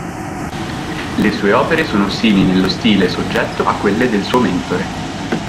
Le sue opere sono simili nello stile e soggetto a quelle del suo mentore.